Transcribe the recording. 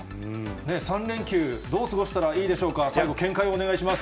３連休、どう過ごしたらいいでしょうか、最後、見解をお願いします。